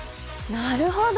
なるほど。